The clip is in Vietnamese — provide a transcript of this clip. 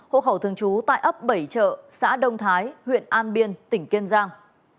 hộ khẩu thường trú tại ấp bảy chợ xã đông thái huyện an biên tỉnh kiên giang